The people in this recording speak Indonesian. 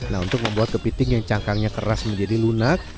nah untuk membuat kepiting yang cangkangnya keras menjadi lunak